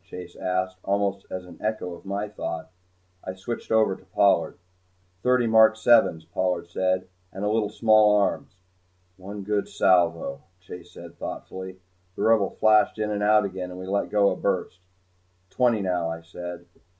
Chase asked almost as an echo to my thought. I switched over to Pollard. "Thirty mark sevens," Pollard said, "and a little small arms." "One good salvo," Chase said, thoughtfully. The Rebel flashed in and out again, and we let go a burst. "Twenty, now," I said.